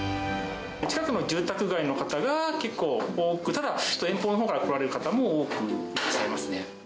近くの住宅街の方が、結構、多く、ただ、遠方のほうから来られる方も多くいらっしゃいますね。